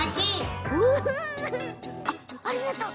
ありがとう！